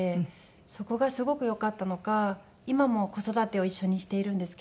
そこがすごくよかったのか今も子育てを一緒にしているんですけど。